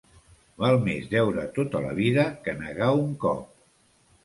Val més deure tota la vida que negar un cop.